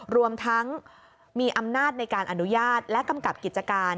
รวมทั้งมีอำนาจในการอนุญาตและกำกับกิจการ